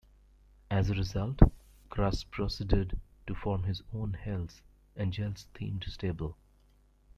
As a result, Crush proceeded to form his own Hells Angels-themed stable.